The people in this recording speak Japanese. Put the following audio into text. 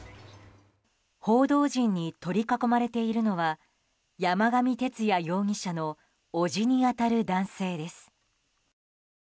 報道陣に取り囲まれているのは山上徹也容疑者の伯父に当たる男性です。